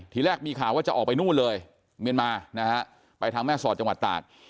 ทีแรกมีข่าวว่าจะออกไปนู่นเลยเมียนมานะฮะไปทางแม่สอดจังหวัดตาก